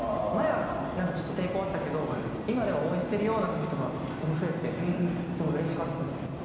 前はなんかちょっと抵抗あったけど今では応援してるよなんていう人がすごい増えてすごいうれしかったです。